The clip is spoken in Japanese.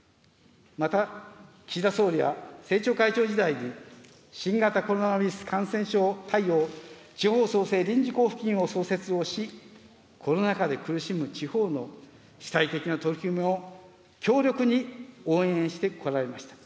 また岸田総理は政調会長時代に、新型コロナウイルス感染症対応地方創生臨時交付金を創設をし、コロナ禍で苦しむ地方の主体的な取り組みを強力に応援してこられました。